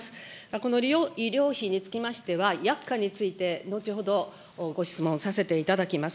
この医療費につきましては、薬価について後ほどご質問させていただきます。